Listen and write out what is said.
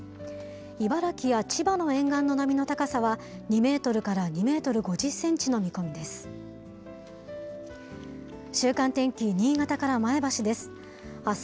茨城や千葉の沿岸の波の高さは、２メートルから２メートル５０センチの見込みです。